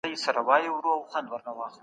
کندهاري غالۍ څنګه اوبدل کېږي؟